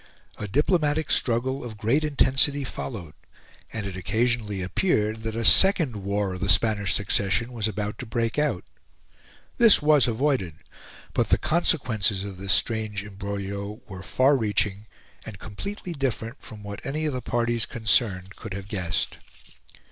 A diplomatic struggle of great intensity followed; and it occasionally appeared that a second War of the Spanish Succession was about to break out. This was avoided, but the consequences of this strange imbroglio were far reaching and completely different from what any of the parties concerned could have guessed.